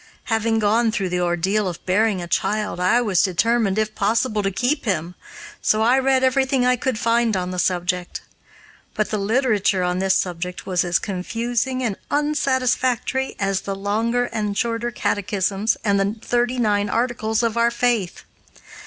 Having gone through the ordeal of bearing a child, I was determined, if possible, to keep him, so I read everything I could find on the subject. But the literature on this subject was as confusing and unsatisfactory as the longer and shorter catechisms and the Thirty nine Articles of our faith.